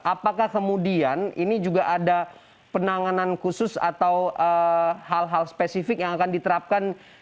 apakah kemudian ini juga ada penanganan khusus atau hal hal spesifik yang akan diterapkan